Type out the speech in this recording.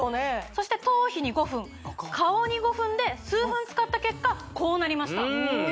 そして頭皮に５分顔に５分で数分使った結果こうなりましたうん！